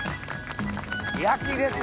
焼きですね。